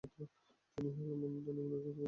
তিনি হেলমান্দ ও নিমরোজ প্রদেশে সামরিক অভিযান চালান।